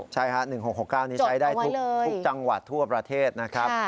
ใช่ครับ๑๖๖๙นี้ใช้ได้ทุกจังหวัดทั่วประเทศนะครับ